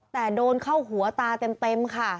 แต่โดนเข้าหัวตาเต็มค่ะ